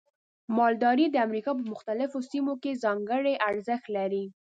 مالداري د امریکا په مختلفو سیمو کې ځانګړي ارزښت لري.